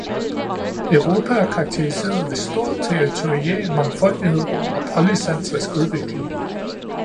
Europa er karakteriseret ved stor territorial mangfoldighed og polycentrisk udvikling.